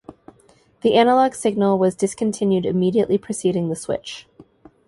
The analogue signal was discontinued immediately preceding the switch.